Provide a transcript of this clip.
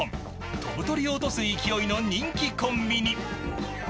飛ぶ鳥を落とす勢いの人気コンビに。